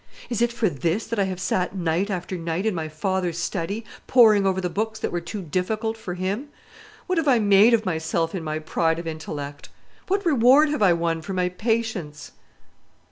Is it for this that I have sat night after night in my father's study, poring over the books that were too difficult for him? What have I made of myself in my pride of intellect? What reward have I won for my patience?"